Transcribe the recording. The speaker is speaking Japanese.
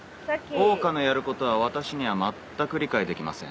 桜花のやることは私には全く理解できません。